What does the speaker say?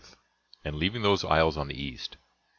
and leaving those isles on the east.